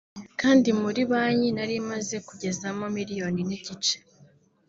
kandi muri banki (mu ishyirahamwe) nari maze kugezamo miliyoni n’igice